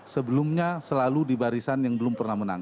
sebelumnya selalu di barisan yang belum pernah menang